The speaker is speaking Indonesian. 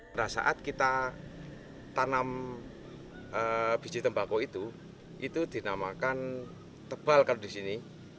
pada saat kita tanam biji tembakau itu itu dinamakan tebal kalau di sini